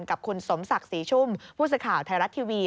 กับคุณสมศักดิ์ศรีชุ่มผู้สื่อข่าวไทยรัฐทีวี